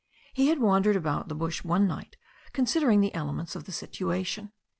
He had wandered about the bush one night considering the elements in the situation.